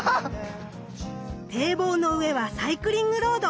堤防の上はサイクリングロード。